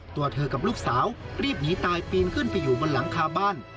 ตัวเธอกับลูกสาวรีบหนีตายปีนขึ้นไปอยู่บนหลังคาบ้าน